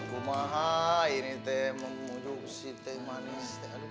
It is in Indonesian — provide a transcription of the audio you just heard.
nah itu mah ini teh mau mujuk si teh manis teh aduh